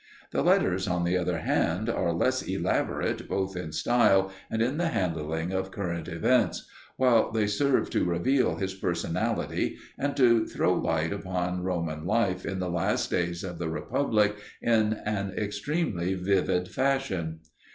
The letters, on the other hand, are less elaborate both in style and in the handling of current events, while they serve to reveal his personality, and to throw light upon Roman life in the last days of the Republic in an extremely vivid fashion.